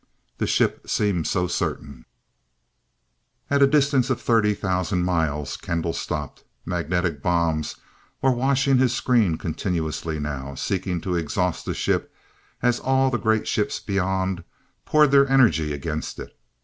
The ship seemed so certain At a distance of thirty thousand miles, Kendall stopped. Magnetic bombs were washing his screen continuously now, seeking to exhaust the ship as all the great ships beyond poured their energy against it.